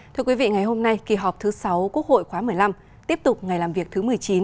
thưa quý vị ngày hôm nay kỳ họp thứ sáu quốc hội khóa một mươi năm tiếp tục ngày làm việc thứ một mươi chín